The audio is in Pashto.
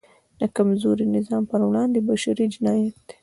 د کمزوري نظام پر وړاندې بشری جنایت دی.